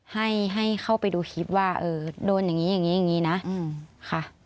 ให้ให้เข้าไปดูคลิปว่าเออโดนอย่างงี้อย่างงี้อย่างงี้น่ะอืมค่ะ